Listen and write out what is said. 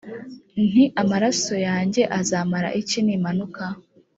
nti amaraso yanjye azamara iki nimanuka